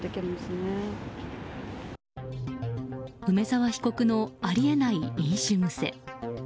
梅沢被告のあり得ない飲酒癖。